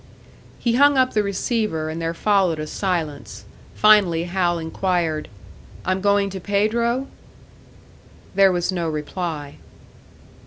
He hung up the receiver, and there followed a silence; finally Hal inquired, "I'm going to Pedro?" There was no reply.